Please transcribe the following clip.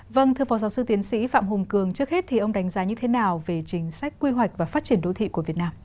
vâng thưa phó giáo sư tiến sĩ phạm hùng cường trước hết thì ông đánh giá như thế nào về chính sách quy hoạch và phát triển đô thị của việt nam